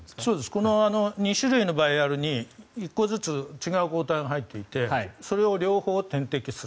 この２種類のバイアルに違う抗体が入っていてそれを両方点滴する。